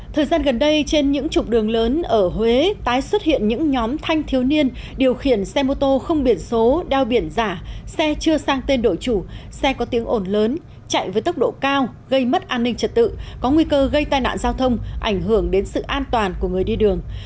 thời gian gần đây trên những trục đường lớn ở huế tái xuất hiện những nhóm thanh thiếu niên điều khiển xe mô tô không biển số đeo biển giả xe chưa sang tên đội chủ xe có tiếng ổn lớn chạy với tốc độ cao gây mất an ninh trật tự có nguy cơ gây tai nạn giao thông ảnh hưởng đến sự an toàn của người đi đường